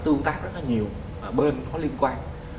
tương tác rất là nhiều bên có liên quan